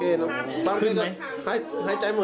เดี๋ยวได้คุยกับย่ายไหมครับ